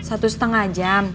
satu setengah jam